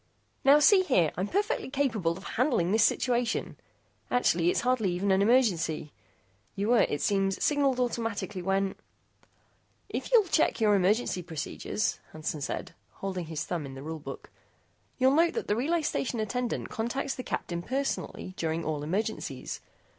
"Now see here. I'm perfectly capable of handling this situation. Actually, it's hardly even an emergency. You were, it seems, signaled automatically when " "If you'll check your emergency procedures," Hansen said, holding his thumb in the Rule Book, "you'll note that the Relay Station Attendant contacts the Captain personally during all emergencies.